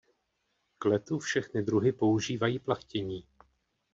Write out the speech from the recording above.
K letu všechny druhy používají plachtění.